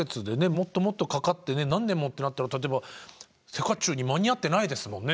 もっともっとかかってね何年もってなったら例えばセカチューに間に合ってないですもんね。